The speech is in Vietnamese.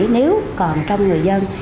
nếu còn trong người dân